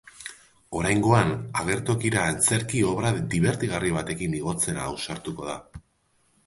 Oraingoan agertokira antzerki obra dibertigarri batekin igotzera ausartuko da.